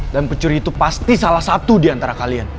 dan pencuri itu pasti salah satu diantara kalian